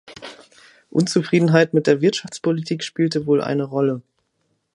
Unzufriedenheit mit der Wirtschaftspolitik spielte wohl eine Rolle.